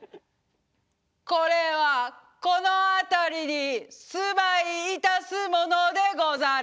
「これはこのあたりに住まいいたすものでござる」。